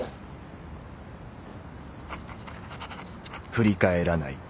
「振り返らない